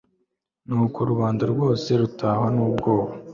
nuko rubanda rwose rutahwa n'ubwoba